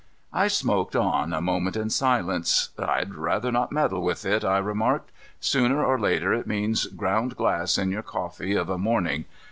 I smoked on a moment in silence. "I'd rather not meddle with it," I remarked. "Sooner or later it means ground glass in your coffee of a morning.